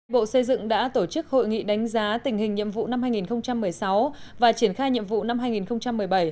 bộ xây dựng đã tổ chức hội nghị đánh giá tình hình nhiệm vụ năm hai nghìn một mươi sáu và triển khai nhiệm vụ năm hai nghìn một mươi bảy